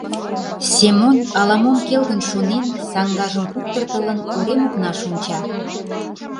Семон, ала-мом келгын шонен, саҥгажым куптыртылын, урем окнаш онча.